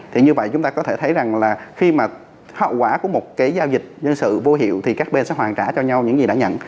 thì như vậy chúng ta có thể thấy rằng là khi mà hậu quả của một cái giao dịch nhân sự vô hiệu thì các bên sẽ hoàn trả cho nhau những gì đã nhận